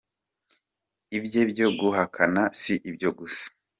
Ibye byo guhakana si ibyo gusa.